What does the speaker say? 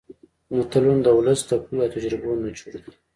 متلونه د ولس د پوهې او تجربو نچوړ دي